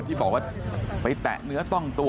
ที่บอกว่าไปแตะเนื้อต้องตัว